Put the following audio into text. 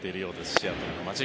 シアトルの街。